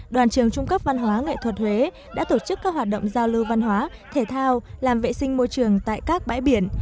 đoàn trường trung cấp văn hóa nghệ thuật huế đã tổ chức các hoạt động giao lưu văn hóa thể thao làm vệ sinh môi trường tại các bãi biển